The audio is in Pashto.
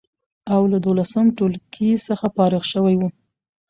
او له دولسم ټولګي څخه فارغ شوی و،